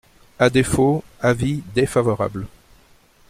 À défaut, avis défavorable.